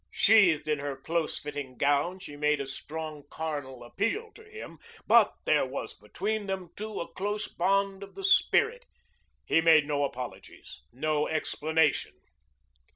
Sheathed in her close fitting gown, she made a strong carnal appeal to him, but there was between them, too, a close bond of the spirit. He made no apologies, no explanation.